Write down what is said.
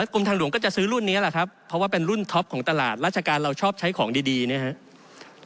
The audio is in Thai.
กรมทางหลวงก็จะซื้อรุ่นนี้แหละครับเพราะว่าเป็นรุ่นท็อปของตลาดราชการเราชอบใช้ของดีนะครับ